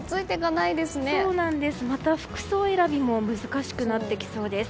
また服装選びも難しくなってきそうです。